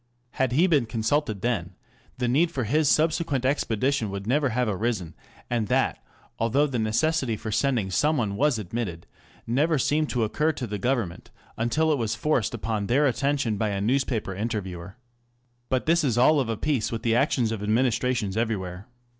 Had he been consulted then, the need for his subsequent expedition would never have arisen, and that, although the necessity for sending some one was admitted, never seemed to occur to the Government until it was forced upon their attention by a newspaper interviewer. But this is all of a piece with the actions of administrations everywhere.